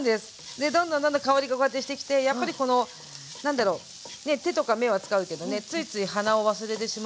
でどんどんどんどん香りがこうやってしてきてやっぱりこの何だろうね手とか目は使うけどねついつい鼻を忘れてしまう。